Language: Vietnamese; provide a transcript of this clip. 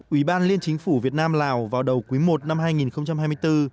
ủy ban liên chính phủ việt nam lào vào đầu quý i năm hai nghìn hai mươi bốn